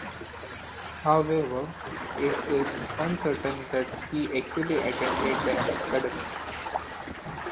However, it is uncertain that he actually attended the Academy.